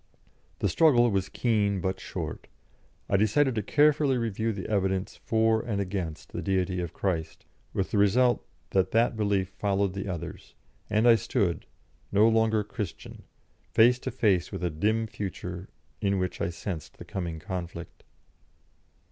The struggle was keen but short; I decided to carefully review the evidence for and against the Deity of Christ, with the result that that belief followed the others, and I stood, no longer Christian, face to face with a dim future in which I sensed the coming conflict.